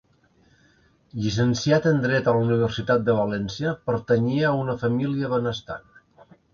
Llicenciat en dret a la Universitat de València, pertanyia a una família benestant.